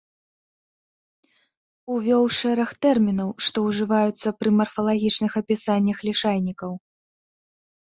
Увёў шэраг тэрмінаў, што ўжываюцца пры марфалагічных апісаннях лішайнікаў.